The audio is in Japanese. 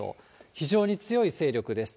非常に強い勢力です。